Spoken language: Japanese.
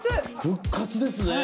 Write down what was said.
復活ですね。